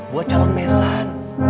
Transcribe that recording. buat calon mesan